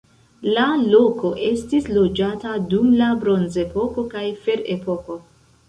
La loko estis loĝata dum la bronzepoko kaj ferepoko.